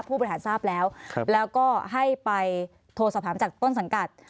ผู้บริหารทราบแล้วแล้วก็ให้ไปโทรสอบถามจากต้นสังกัด